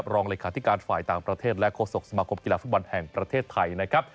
รองรายการที่การฝ่ายต่างประเทศและโฆษกสมาคมกีฬาฟุตบอลแห่งประเทศไทย